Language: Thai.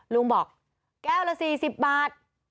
ลุงบอกแก้วละ๔๐บาท